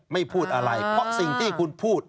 ไม่พูดอะไรเพราะสิ่งที่คุณพูด